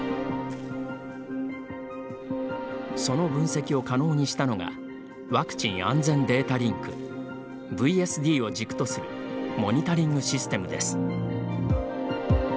その分析を可能にしたのがワクチン安全データリンク「ＶＳＤ」を軸とするモニタリングシステ厶です。